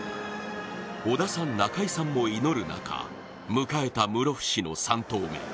織田さん、中井さんも祈る中迎えた室伏の３投目。